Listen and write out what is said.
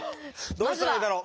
どうしたらいいだろう？